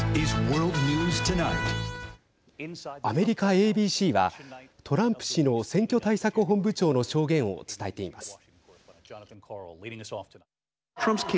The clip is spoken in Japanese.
アメリカＡＢＣはトランプ氏の選挙対策本部長の証言を伝えています。